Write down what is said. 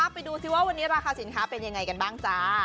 ไปดูวันนี้ราคาสินค้าเป็นยังไงกันบ้าง